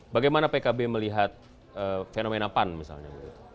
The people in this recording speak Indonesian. bagaimana pkb melihat fenomena pan misalnya